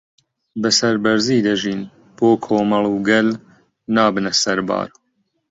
بەسەربەرزی دەژین بۆ کۆمەڵ و گەل نابنە سەربار